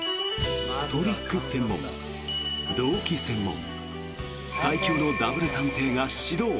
トリック専門、動機専門最強のダブル探偵が始動！